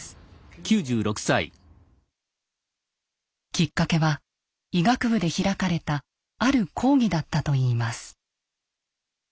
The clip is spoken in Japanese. きっかけは医学部で開かれたある講義だったといいます。